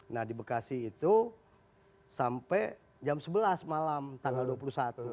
nah di bekasi itu sampai jam sebelas malam tanggal dua puluh satu